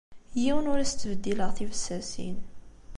Yiwen ur as-ttbeddileɣ tibessasin.